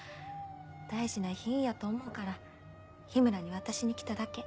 大事な遺品やと思うから緋村に渡しに来ただけ。